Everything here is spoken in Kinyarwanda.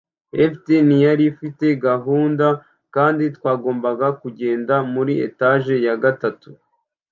Lifte ntiyari ifite gahunda kandi twagombaga kugenda muri etage ya gatanu.